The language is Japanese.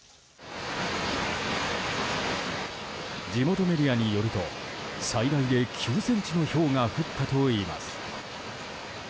地元メディアによると最大で９ｃｍのひょうが降ったといいます。